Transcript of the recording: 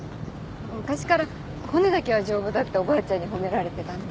昔から骨だけは丈夫だっておばあちゃんに褒められてたんで。